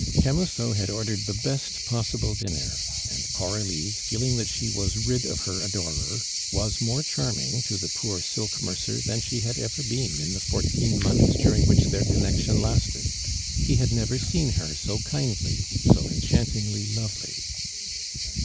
Camusot had ordered the best possible dinner; and Coralie, feeling that she was rid of her adorer, was more charming to the poor silk mercer than she had ever been in the fourteen months during which their connection lasted; he had never seen her so kindly, so enchantingly lovely.